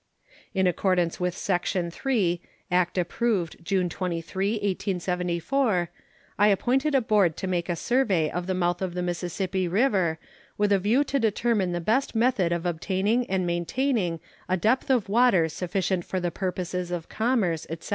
In accordance with section 3, act approved June 23, 1874, I appointed a board to make a survey of the mouth of the Mississippi River with a view to determine the best method of obtaining and maintaining a depth of water sufficient for the purposes of commerce, etc.